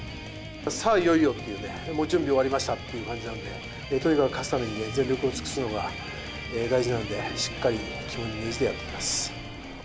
さあいよいよっていうね、もう準備は終わりましたっていう感じなんで、とにかく勝つために、全力を尽くすのが大事なんで、しっかり肝に銘じてやっていきます。